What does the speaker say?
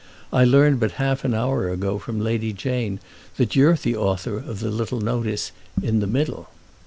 I learned but half an hour ago from Lady Jane that you're the author of the little notice in The Middle."